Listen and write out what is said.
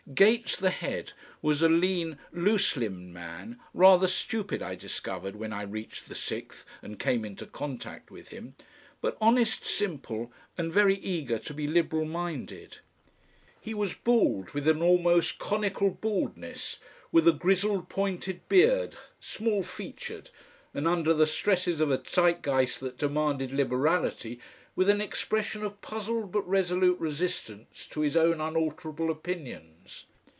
Gates, the head, was a lean loose limbed man, rather stupid I discovered when I reached the Sixth and came into contact with him, but honest, simple and very eager to be liberal minded. He was bald, with an almost conical baldness, with a grizzled pointed beard, small featured and, under the stresses of a Zeitgeist that demanded liberality, with an expression of puzzled but resolute resistance to his own unalterable opinions.